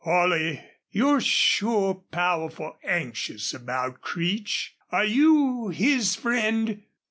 "Holley, you're sure powerful anxious about Creech. Are you his friend?"